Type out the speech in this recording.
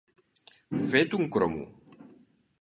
Fet un cromo.